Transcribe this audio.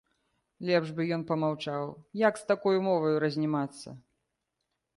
Лепш бы ён памаўчаў, як з такою моваю разнімацца.